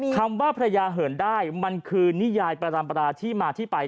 คำว่าพระยาเหินได้มันคือนิยายประรัมปราที่มาที่ไป